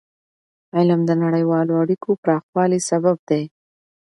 علم د نړیوالو اړیکو پراخوالي سبب دی.